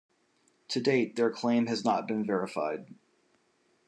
To date, their claim has not been verified.